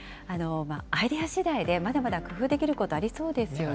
アイデアしだいでまだまだ工夫できることありそうですよね。